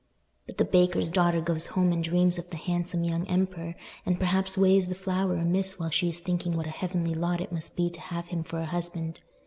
But the baker's daughter goes home and dreams of the handsome young emperor, and perhaps weighs the flour amiss while she is thinking what a heavenly lot it must be to have him for a husband.